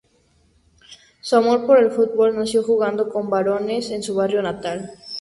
Su amor por el fútbol nació jugando con varones en su barrio natal.